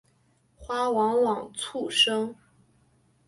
花往往簇生。